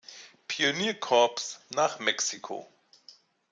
Pionier-Korps nach Mexiko.